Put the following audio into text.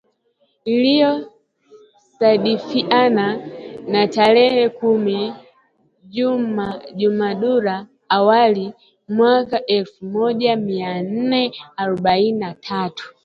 ILIYO SADIFIANA NA TAREHE KUMI JUMADUL AWAL MWAKA ELFU MJA MIA NNE AROBAINI NA TATU